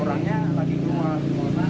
orangnya lagi keluar